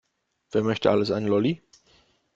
Wer möchte alles einen Lolli?